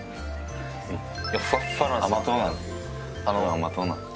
甘党なんで。